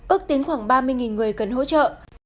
ước tính khoảng ba mươi người cần hỗ trợ